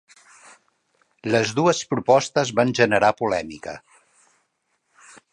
Les dues propostes van generar polèmica.